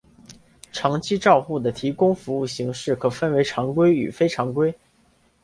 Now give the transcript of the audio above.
长期照护的提供服务形式可分为常规与非常规。